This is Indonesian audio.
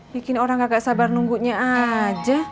bikin orang agak sabar nunggunya aja